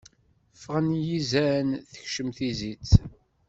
Ffɣen yizan, tekcem-d tizit.